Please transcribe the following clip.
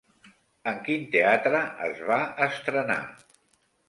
En quin teatre es va estrenar?